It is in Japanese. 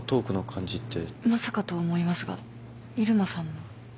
まさかとは思いますが入間さんの。